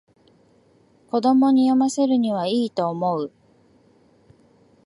子供に読ませるにはいいと思う